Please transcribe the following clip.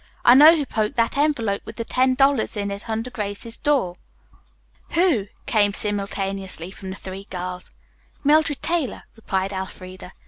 I know who poked that envelope with the ten dollars in it under Grace's door." "Who?" came simultaneously from the three girls. "Mildred Taylor," replied Elfreda.